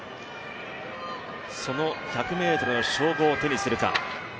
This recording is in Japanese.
その１００ｍの称号を手にするか。